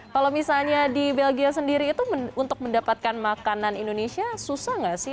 kalau misalnya di belgia sendiri itu untuk mendapatkan makanan indonesia susah nggak sih